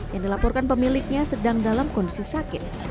yang dilaporkan pemiliknya sedang dalam kondisi sakit